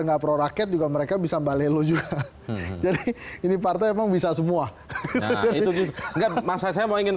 nggak proraket juga mereka bisa balelo juga jadi ini partai memang bisa semua itu saya mau ingin